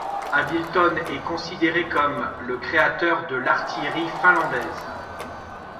Hamilton est considéré comme le créateur de l'artillerie finlandaise.